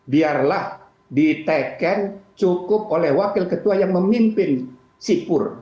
biarlah diteken cukup oleh wakil ketua yang memimpin sipur